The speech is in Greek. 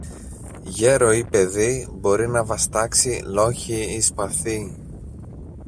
γέρο ή παιδί μπορεί να βαστάξει λόγχη ή σπαθί